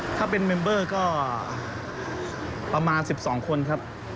ถ้าเป็นเมมเบอร์ก็ประมาณ๑๒คนครับ